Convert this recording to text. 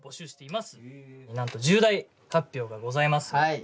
なんと重大発表がございます。